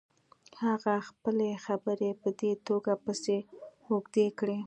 هغه خپلې خبرې په دې توګه پسې اوږدې کړې.